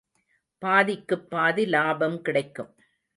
பாதிக்குப் பாதி லாபம் கிடைக்கும்.